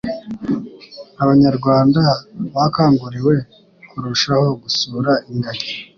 Abanyarwanda bakanguriwe kurushaho gusura ingagi